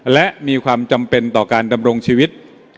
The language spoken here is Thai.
และมีความจำเป็นต่อการดำรงชีวิต